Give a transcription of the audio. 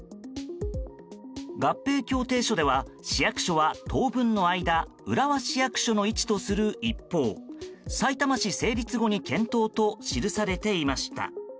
合併協定書では市役所は当分の間浦和市役所の位置とする一方さいたま市成立後に検討と記されていました。